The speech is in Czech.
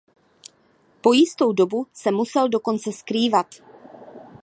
Po jistou dobu se musel dokonce skrývat.